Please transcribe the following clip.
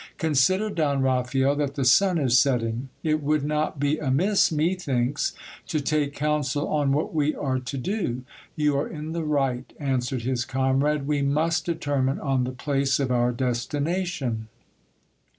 Consider, Don Raphael, that the sun is setting. It would not be amiss, methinks, to take counsel on what we are to do. You are in the right, answered his comrade, we must determine on the place of our destination.